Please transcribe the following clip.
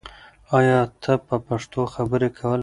آیا ته په پښتو خبرې کولای سې؟